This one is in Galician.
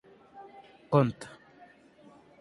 _Conta.